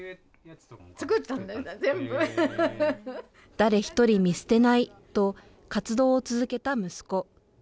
「誰１人見捨てない」と活動を続けた息子。